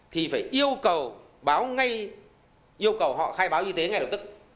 thì phải yêu cầu báo ngay yêu cầu họ khai báo y tế ngay lập tức